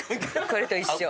これと一緒。